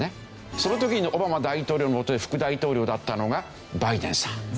その時にオバマ大統領のもとで副大統領だったのがバイデンさん。